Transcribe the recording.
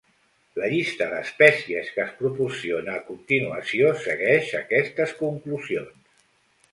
La llista d'espècies que es proporciona a continuació segueix aquestes conclusions.